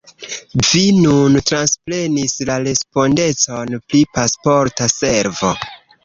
Vi nun transprenis la respondecon pri Pasporta Servo.